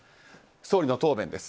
総理の答弁です。